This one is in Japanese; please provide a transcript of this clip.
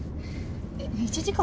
１時間も？